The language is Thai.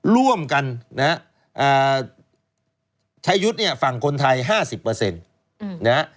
ร่วมกันนะชายุทธ์เนี่ยฝั่งคนไทย๕๐เปอร์เซ็นต์นะ